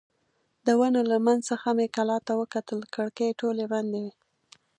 د ونو له منځ څخه مې کلا ته وکتل، کړکۍ ټولې بندې وې.